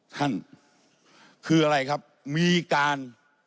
ท่านคืออะไรครับมีการ